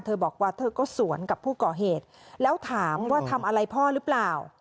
บอกว่าเธอก็สวนกับผู้ก่อเหตุแล้วถามว่าทำอะไรพ่อหรือเปล่า